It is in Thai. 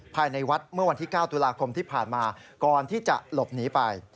ภายในวัดเมื่อวันที่๙ตุลาคมที่ผ่านมาก่อนที่จะหลบหนีไป